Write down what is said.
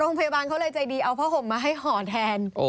โรงพยาบาลเขาเลยใจดีเอาผ้าห่มมาให้ห่อแทน